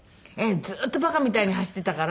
ずっと馬鹿みたいに走っていたから